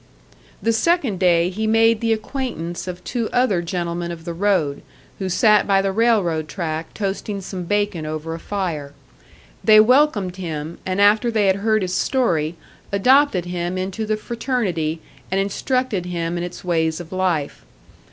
The second day he made the acquaintance of two other gentlemen of the road, who sat by the railroad track toasting some bacon over a fire. They welcomed him, and after they had heard his story, adopted him into the fraternity and instructed him in its ways of life.